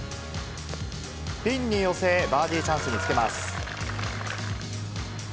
ピンに寄せ、バーディーチャンスにつけます。